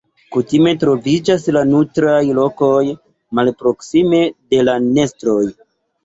Kutime troviĝas la nutraj lokoj malproksime de la nestoj.